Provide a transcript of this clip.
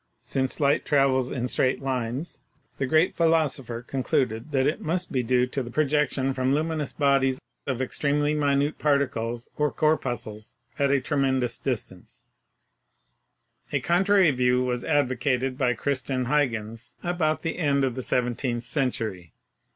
Since light travels in 68 THYSICS straight lines, the great philosopher concluded that it must be due to the projection from luminous bodies of extremely minute particles or corpuscles at a tremendous A contrary view was advocated by Christian Huygens about the end of the seventeenth century.